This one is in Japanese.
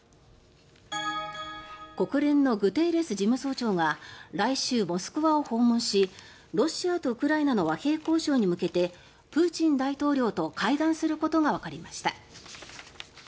国連のグテーレス事務総長が来週、モスクワを訪問しロシアとウクライナの和平交渉に向けてプーチン大統領と会談することがわかりました。